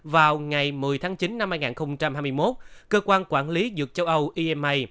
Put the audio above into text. vào ngày một mươi tháng chín năm hai nghìn hai mươi một cơ quan quản lý dược châu âu ema